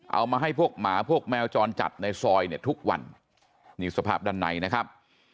เอามาให้พวกหมาพวกแมวจรจัดในซอยเนี่ยทุกวันนี่สภาพด้านในนะครับ